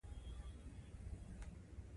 لازمه ده چې د فلزي الو مخ له لنده بل لرې وساتئ.